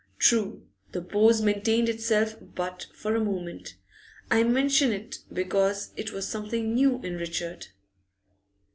True, the pose maintained itself but for a moment. I mention it because it was something new in Richard.